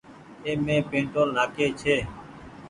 اي مين پيٽول نآ ڪي ڇي۔